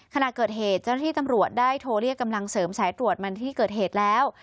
ขณะเกิดเหตุเจ้าหน้าที่ตำรวจได้โทรเรียกกำลังเสริมสายตรวจมันที่เกิดเหตุแล้ว